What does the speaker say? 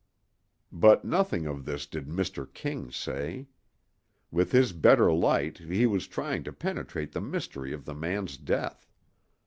But nothing of this did Mr. King say. With his better light he was trying to penetrate the mystery of the man's death.